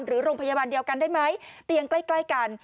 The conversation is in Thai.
หรือโรงพยาบาลเดียวกันได้ไหมเตียงใกล้กัน